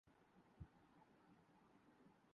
ہمارے کتنے ہیں۔